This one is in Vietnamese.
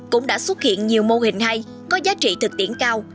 cũng đã xuất hiện nhiều mô hình hay có giá trị thực tiễn cao